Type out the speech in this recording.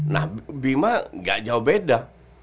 nah bima gak jauh beda